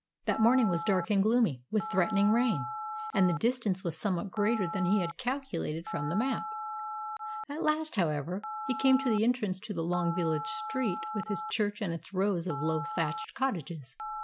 The morning was dark and gloomy, with threatening rain, and the distance was somewhat greater than he had calculated from the map. At last, however, he came to the entrance to the long village street, with its church and its rows of low thatched cottages.